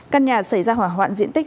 căn nhà xảy ra hỏa hoạn diện tích